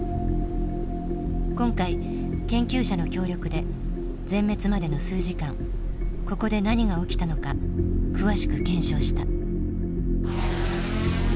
今回研究者の協力で全滅までの数時間ここで何が起きたのか詳しく検証した。